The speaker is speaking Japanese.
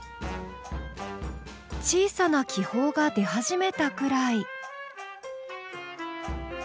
小さな気泡が出始めたぐらい。